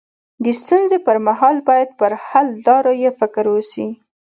د ستونزي پر مهال باید پر حل لارو يې فکر وسي.